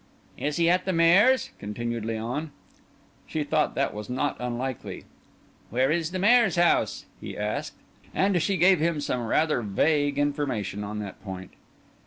"Is he at the Maire's?" demanded Léon. She thought that was not unlikely. "Where is the Maire's house?" he asked. And she gave him some rather vague information on that point.